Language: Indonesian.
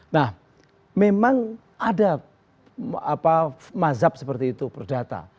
nah memang ada mazhab seperti itu perdata